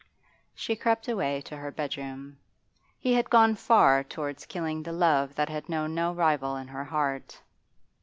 She crept away to her bedroom. He had gone far towards killing the love that had known no rival in her heart.